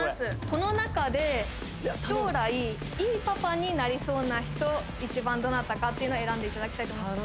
この中で将来いいパパになりそうな人１番どなたかっていうのを選んでいただきたいと思います